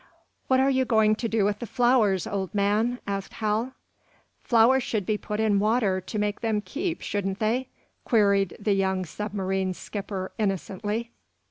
"What are you going to do with the flowers, old man?" asked Hal. "Flowers should be put in water, to make them keep, shouldn't they" queried the young submarine skipper, innocently.